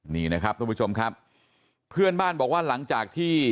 นี่นะครับทุกผู้ชมครับเพื่อนบ้านบอกว่าหลังจากที่